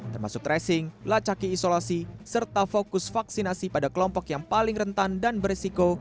termasuk tracing lacaki isolasi serta fokus vaksinasi pada kelompok yang paling rentan dan beresiko